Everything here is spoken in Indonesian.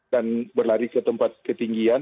dan berlari ke tempat ketinggian